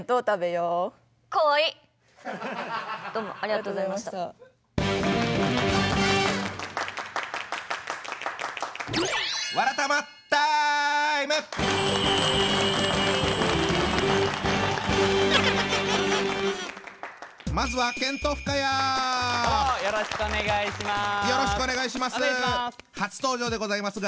よろしくお願いします。